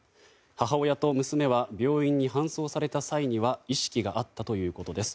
母親と娘は病院に搬送された際には意識があったということです。